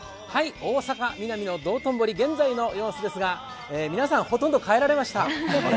大阪・ミナミの道頓堀、現在の様子ですが皆さんほとんど帰られました。